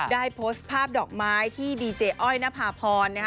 ได้โพสต์ภาพดอกไม้ที่ดีเจอ้อยนภาพร